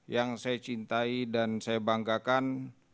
yang saya cintai dan saya banggakan